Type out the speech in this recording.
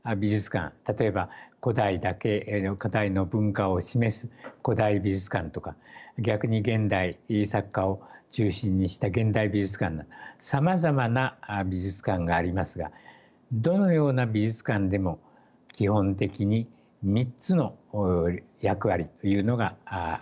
例えば古代の文化を示す古代美術館とか逆に現代作家を中心にした現代美術館などさまざまな美術館がありますがどのような美術館でも基本的に３つの役割というのがあります。